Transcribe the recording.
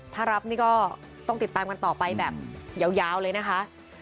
ถ้ารับนี่ก็ต้องติดตามกันต่อไปแบบยาวเลยนะคะ